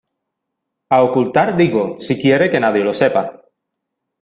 a ocultar digo. si quiere que nadie lo sepa .